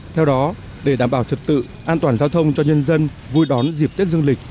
theo đó để đảm bảo trật tự an toàn giao thông cho nhân dân vui đón dịp tết dương lịch